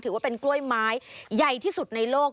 ถือว่าเป็นกล้วยไม้ใหญ่ที่สุดในโลก